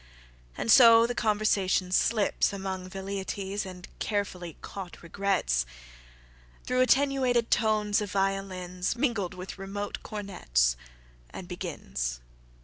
—And so the conversation slipsAmong velleities and carefully caught regretsThrough attenuated tones of violinsMingled with remote cornetsAnd begins.